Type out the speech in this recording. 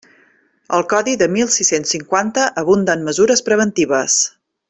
El Codi de mil sis-cents cinquanta abunda en mesures preventives.